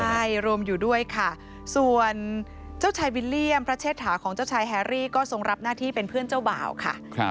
ใช่รวมอยู่ด้วยค่ะส่วนเจ้าชายวิลเลี่ยมพระเชษฐาของเจ้าชายแฮรี่ก็ทรงรับหน้าที่เป็นเพื่อนเจ้าบ่าวค่ะ